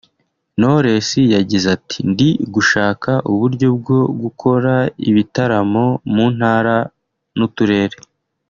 Knowless yagize ati “Ndi gushaka uburyo bwo gukora ibitaramo mu Ntara n’Uturere